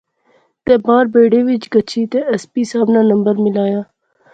تے باہر بیڑے وچ گچھی تہ ایس پی صاحب ناں نمبر ملایا